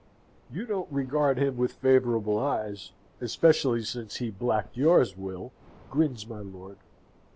"You don't regard him with favourable eyes; especially since he blacked yours, Will!" grins my lord.